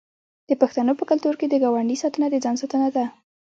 د پښتنو په کلتور کې د ګاونډي ساتنه د ځان ساتنه ده.